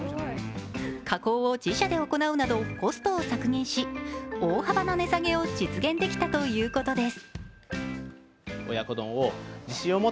加工を自社で行うなど、コストを削減し大幅な値下げを実現できたといいます。